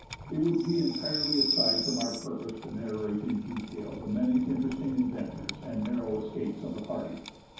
It would be entirely aside from our purpose to narrate in detail the many interesting adventures and narrow escapes of the party.